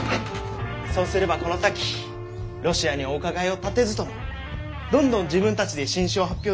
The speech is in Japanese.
そうすればこの先ロシアにお伺いを立てずともどんどん自分たちで新種を発表できるようになるだろう？